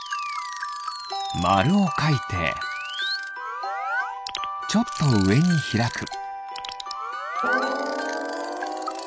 まるをかいてちょっとうえにひらく。